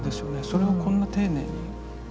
それをこんな丁寧に。